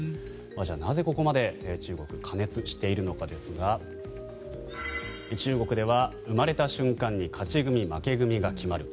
じゃあ、なぜここまで中国は過熱しているのかですが中国では生まれた瞬間に勝ち組、負け組が決まる。